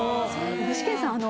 具志堅さん